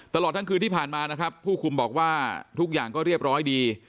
ตลอดทั้งคืนที่ผ่านมานะครับผู้คุมบอกว่าทุกอย่างก็เรียบร้อยดี